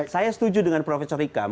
saya setuju dengan prof rikam